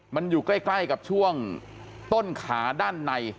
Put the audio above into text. มันอยู่ใกล้กับช่วงต้นขาด้านใน